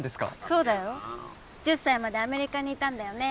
そうだよ１０歳までアメリカにいたんだよね